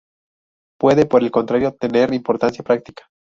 Puede, por el contrario, tener importancia práctica.